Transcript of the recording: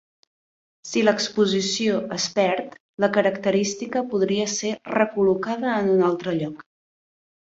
Si l'exposició es perd, la característica podria ser recol·locada en un altre lloc.